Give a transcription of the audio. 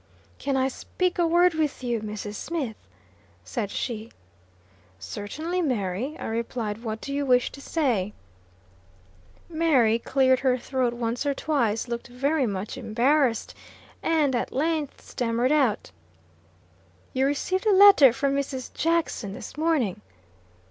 "Can I speak a word with you, Mrs. Smith?" said she. "Certainly, Mary," I replied. "What do you wish to say?" Mary cleared her throat once or twice looked very much embarrassed, and at length stammered out. "You received a letter from Mrs. Jackson this morning?"